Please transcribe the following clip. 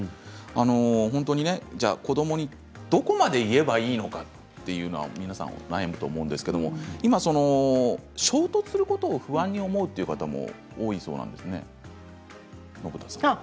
本当に子どもにどこまで言えばいいのかというのは、皆さん悩むと思うんですけれど今、衝突することを不安に思っているという方もそうですね。